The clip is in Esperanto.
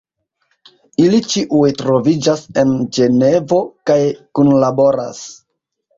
Ili ĉiuj troviĝas en Ĝenevo kaj kunlaboras.